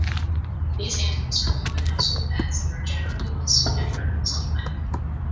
These animals are common household pets and are generally well-suited for domestic life.